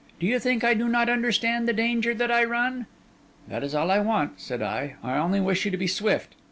Do you think I do not understand the danger that I run?' 'That is all I want,' said I: 'I only wish you to be swift.